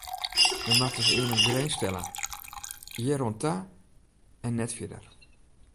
Men moat dus earne in grins stelle: hjir oan ta en net fierder.